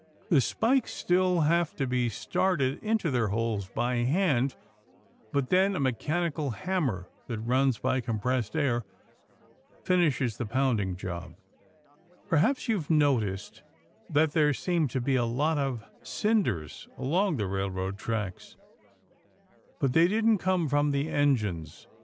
The spikes still have to be started into their holes by hand, but then a mechanical hammer that runs by compressed air finishes the pounding job. Perhaps you've noticed that there seem to be a lot of cinders along railroad tracks. But they didn't come from the engines.